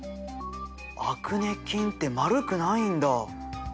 アクネ菌って丸くないんだ。